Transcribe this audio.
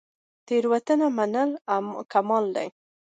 تیروتنه منل کمال دی